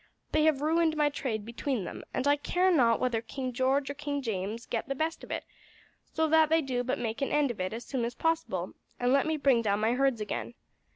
They have ruined my trade between them, and I care not whether King George or King James get the best of it, so that they do but make an end of it as soon as possible, and let me bring down my herds again.